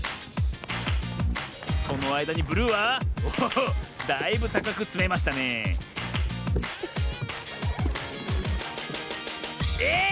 そのあいだにブルーはおおだいぶたかくつめましたねええ